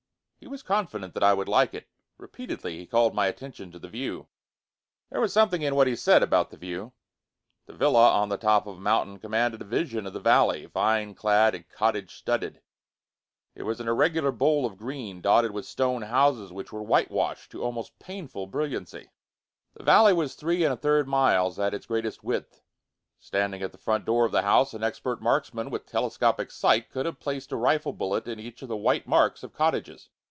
He was confident that I would like it. Repeatedly he called my attention to the view. There was something in what he said about the view. The villa on the top of a mountain commanded a vision of the valley, vine clad and cottage studded. It was an irregular bowl of green, dotted with stone houses which were whitewashed to almost painful brilliancy. The valley was three and a third miles at its greatest width. Standing at the front door of the house, an expert marksman with telescopic sight could have placed a rifle bullet in each of the white marks of cottages.